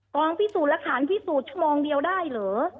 พิสูจน์หลักฐานพิสูจน์ชั่วโมงเดียวได้เหรอ